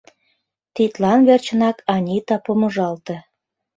Тидлан верчынак Анита помыжалте.